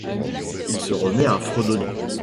Il se remet à fredonner.